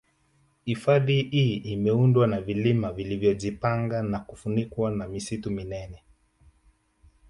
Hifadhi hii inaundwa na vilima vilivyojipanga na kufunikwa na misitu minene